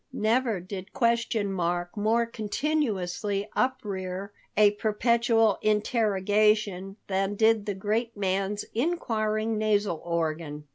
Never did question mark more continuously uprear a perpetual interrogation than did the great man's inquiring nasal organ.